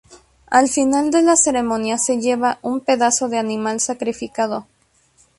Al final de la ceremonia se lleva un pedazo del animal sacrificado.